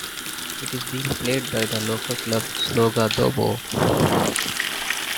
It is being played by the local club Sloga Doboj.